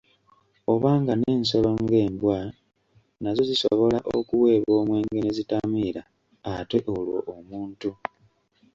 Obanga n'ensolo ng'embwa nazo zisobola okuweebwa omwenge ne zitamiira ate olwo omuntu!